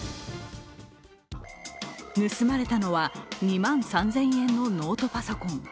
盗まれたのは２万３０００円のノートパソコン。